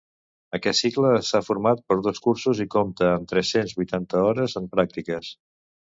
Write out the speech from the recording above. Aquest cicle està format per dos cursos i compta amb tres-cents vuitanta hores en pràctiques.